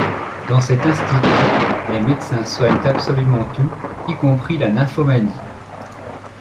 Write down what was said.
Dans cet institut, les médecins soignent absolument tout, y compris la nymphomanie.